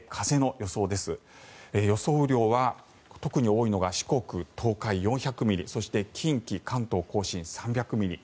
雨量は特に多いのが四国、東海、４００ミリそして近畿、関東・甲信３００ミリ。